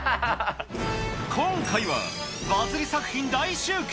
今回はバズり作品大集結。